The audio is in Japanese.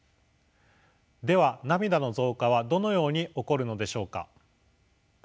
では涙の増加はどのように起こるのでしょうか。